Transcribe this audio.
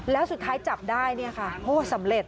แล้วสุดท้ายจับได้เนี่ยค่ะโอ้สำเร็จ